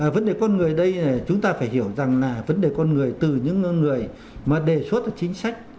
vấn đề con người ở đây chúng ta phải hiểu rằng là vấn đề con người từ những người mà đề xuất chính sách